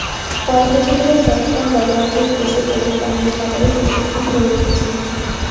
কয়েক বছর ধরে ট্রান্সকম বেভারেজেস দেশের কোমল পানীয়র বাজারে শীর্ষস্থান ধরে রেখেছে।